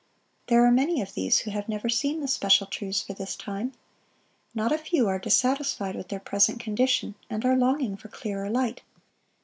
There are many of these who have never seen the special truths for this time. Not a few are dissatisfied with their present condition, and are longing for clearer light.